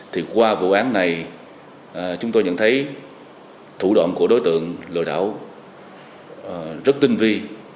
thì qua vụ án này chúng tôi nhận thấy thủ đoạn của đối tượng lừa đảo rất tinh vi